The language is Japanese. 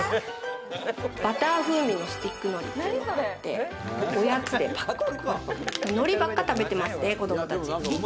バター風味のスティックのりっていうのがあって、おやつでパクパク、のりばっか食べてますね子供たち。